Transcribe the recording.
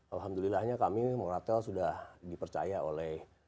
alhamdulillahnya kami moratel sudah dipercaya oleh